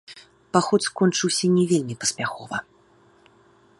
Паход скончыўся не вельмі паспяхова.